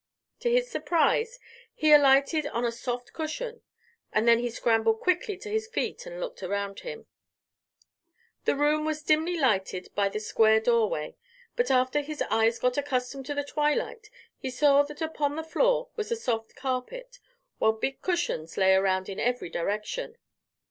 To his surprise he alighted on a soft cushion, and then he scrambled quickly to his feet and looked around him. The room was dimly lighted by the square doorway, but after his eyes got accustomed to the twilight he saw that upon the floor was a soft carpet, while big cushions lay around in every direction.